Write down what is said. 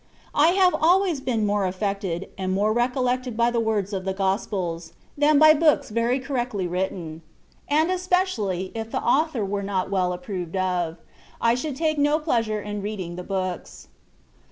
I have always been more aflfected and more recollected by the words of the Gospels, than by books very correctly writ THE WAY OP PSRFBCTION. 105 ten. And especially, if the author were not well approved of, I should take no pleasure in reading the books.